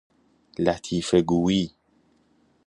لطیفه گویی